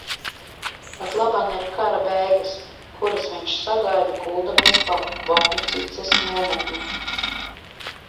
Patlaban ir kara beigas, kuras viņš sagaida, kuldamies pa Bogucices nometni.